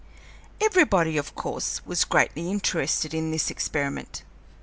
Everybody, of course, was greatly interested in this experiment.